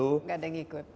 tidak ada yang ikut